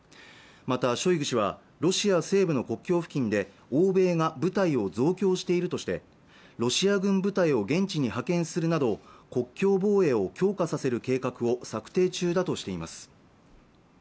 またショイグ氏はロシア西部の国境付近で欧米が部隊を増強しているとしてロシア軍部隊を現地に派遣するなど国境防衛を強化させる計画を策定中だとしています